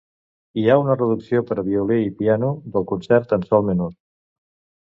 Hi ha una reducció per a violí i piano del concert en sol menor.